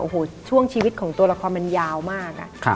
โอ้โหช่วงชีวิตของตัวละครมันยาวมาก